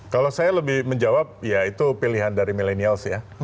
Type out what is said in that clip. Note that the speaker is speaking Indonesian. kalau saya lebih menjawab ya itu pilihan dari millennials ya